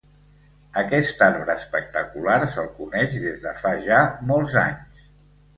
Aquest arbre espectacular se'l coneix des de fa ja molts anys.